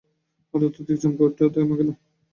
হঠাৎ অতীন চমকে উঠে থেমে গেল।